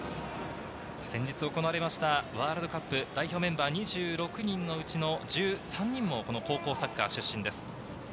先日行われたワールドカップ代表メンバー２６人のうちの１３人もこの高校サッカー出身です。